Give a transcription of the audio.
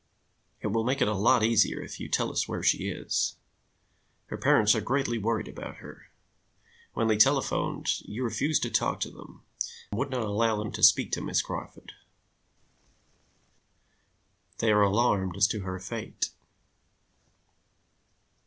It will make it a lot easier if you tell us where she is. Her parents are greatly worried about her. When they telephoned, you refused to talk to them, would not allow them to speak to Miss Crawford. They are alarmed as to her fate.